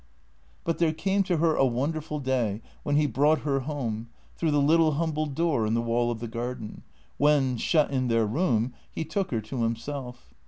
But there came to her a wonderful day when he brought her home, through the little humble door in the wall of the garden ; when, shut in their room, he took her to himself.